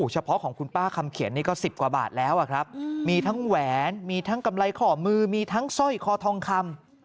เฉพาะของคุณป้าคำเขียนนี่ก็๑๐กว่าบาทแล้วครับมีทั้งแหวนมีทั้งกำไรข้อมือมีทั้งสร้อยคอทองคำ